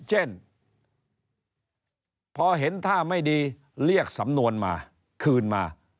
เช่นพอเห็นท่าไม่ดีเรียกสำนวนมาคืนมา